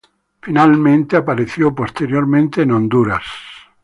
Finalmente, apareció posteriormente en Honduras.